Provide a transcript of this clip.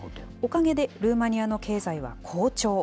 おかげでルーマニアの経済は好調。